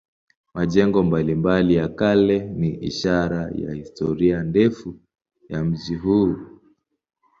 Majengo mbalimbali ya kale ni ishara ya historia ndefu ya mji huu.